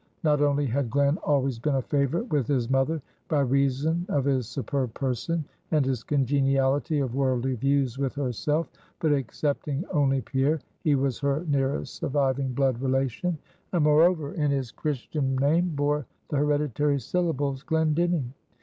Not only had Glen always been a favorite with his mother by reason of his superb person and his congeniality of worldly views with herself, but excepting only Pierre, he was her nearest surviving blood relation; and moreover, in his christian name, bore the hereditary syllables, Glendinning.